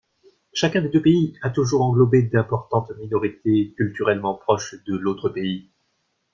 Chacun des deux pays a toujours englobé d'importantes minorités culturellement proches de l'autre pays.